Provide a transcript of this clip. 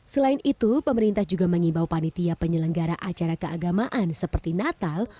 selain itu pemerintah juga mengimbau panitia penyelenggara acara keagamaan seperti natal